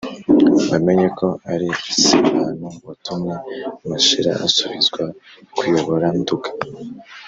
bamenye ko ari sebantu watumye mashira asubizwa kuyobora nduga,